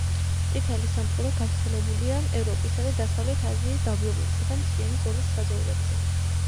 წითელი სამყურა გავრცელებულია ევროპისა და დასავლეთ აზიის დაბლობებსა და მთიანი ზოლის საძოვრებზე.